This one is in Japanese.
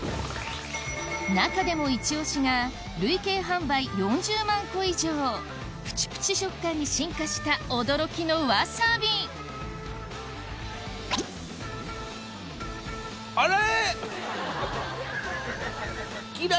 中でもイチ押しが累計販売４０万個以上プチプチ食感に進化した驚きのわさびこれ。